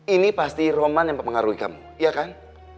ini pasti roman yang mempengaruhi kamu ya kan